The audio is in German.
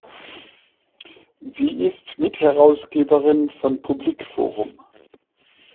Sie ist Mitherausgebern von Publik-Forum.